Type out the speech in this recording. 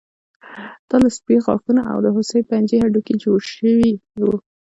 دا له سپي غاښونو او د هوسۍ پنجې هډوکي جوړ شوي وو